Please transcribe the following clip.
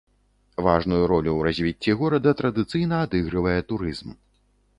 Важную ролю ў развіцці горада традыцыйна адыгрывае турызм.